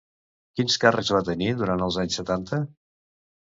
Quins càrrecs va tenir durant els anys setanta?